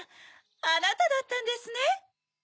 あなただったんですね。